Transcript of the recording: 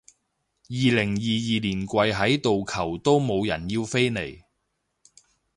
二零二二年跪喺度求都冇人要飛嚟